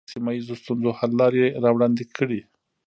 ازادي راډیو د بیکاري په اړه د سیمه ییزو ستونزو حل لارې راوړاندې کړې.